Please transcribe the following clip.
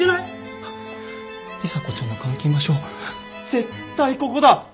里紗子ちゃんの監禁場所は絶対ここだ！